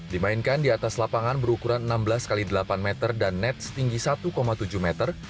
dimainkan di atas lapangan berukuran enam belas x delapan meter dan net setinggi satu tujuh meter